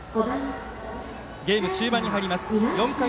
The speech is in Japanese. ゲーム中盤に入ります。